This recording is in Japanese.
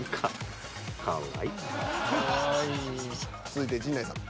続いて陣内さん。